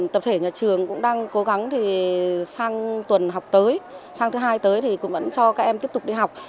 tập thể nhà trường cũng đang cố gắng thì sang tuần học tới sang thứ hai tới thì cũng vẫn cho các em tiếp tục đi học